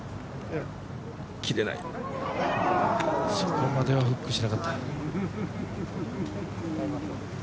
切れないそこまではフックしなかった。